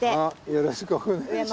よろしくお願いします。